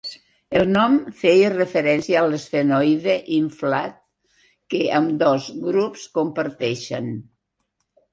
El nom feia referència a l'esfenoide inflat que ambdós grups comparteixen.